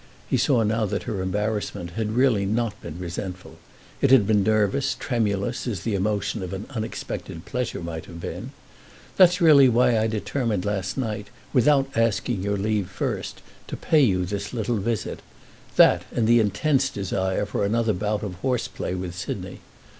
He saw now that her embarrassment had really not been resentful; it had been nervous, tremulous, as the emotion of an unexpected pleasure might have been. "That's really why I determined last night, without asking your leave first to pay you this little visit—that and the intense desire for another bout of horse play with Sidney.